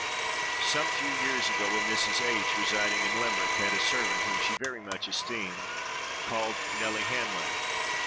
Some few years ago, a Mrs. H——, residing in Limerick, had a servant whom she much esteemed, called Nelly Hanlon.